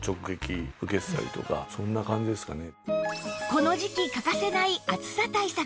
この時季欠かせない暑さ対策